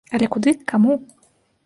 Але куды, к каму?